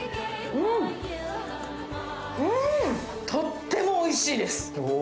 とってもおいしいです！